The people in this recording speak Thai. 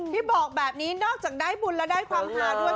ที่บอกแบบนี้นอกจากได้บุญและได้ความหาด้วย